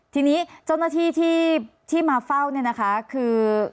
ทีนี้เจ้าหน้าที่ที่มาเฝ้าเนี่ยนะคะคือ